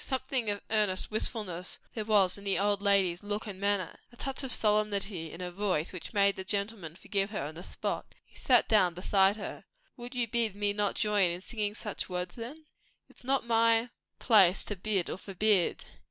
Something of earnest wistfulness there was in the old lady's look and manner, a touch of solemnity in her voice, which made the gentleman forgive her on the spot. He sat down beside her. "Would you bid me not join in singing such words, then?" "It's not my place to bid or forbid.